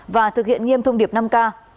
và thực hiện nghiêm thông điệp năm k